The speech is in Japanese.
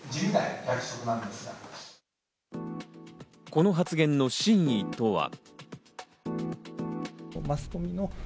この発言の真意とは。